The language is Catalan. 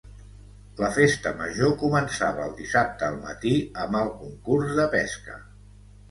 La Festa Major començava el dissabte al matí amb el concurs de pesca.